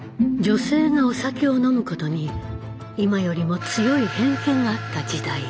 女性がお酒を飲むことに今よりも強い偏見があった時代。